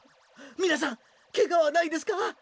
みなさんケガはないですか？